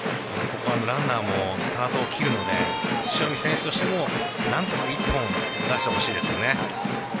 ここはランナーもスタートを切るので塩見選手としても何とか１本出してほしいですよね。